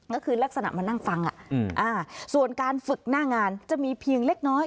ก็คือลักษณะมานั่งฟังส่วนการฝึกหน้างานจะมีเพียงเล็กน้อย